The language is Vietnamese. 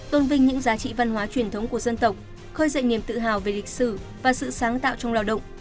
tôn vinh những giá trị văn hóa truyền thống của dân tộc khơi dậy niềm tự hào về lịch sử và sự sáng tạo trong lao động